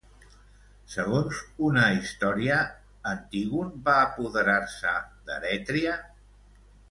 Segons una història, Antígon va apoderar-se d'Erètria?